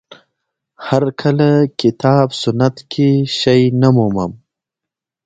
هر کله کتاب سنت کې شی نه مومم